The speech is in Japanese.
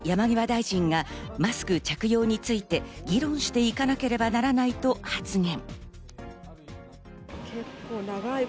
さらに子供については昨日、山際大臣が、マスク着用について議論していかなければならないと発言。